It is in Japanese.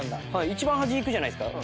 一番端行くじゃないですか。